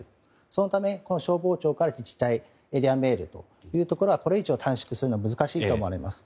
そのため、消防庁から自治体エリアメールというところはこれ以上短縮するのは難しいと思います。